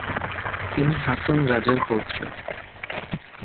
তিনি হাসন রাজার পৌত্র।